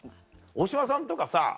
大島さんとかさ